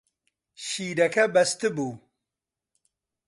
شیرەکە بەستبوو.